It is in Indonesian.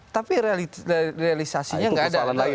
tapi realisasinya nggak ada